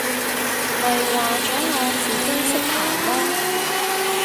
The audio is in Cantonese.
咪話咗我自己識行囉！